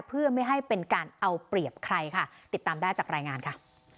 เพื่อไม่ให้เป็นการเอาเปรียบใครค่ะติดตามได้จากรายงานค่ะ